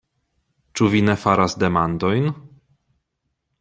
Ĉu vi ne faras demandojn?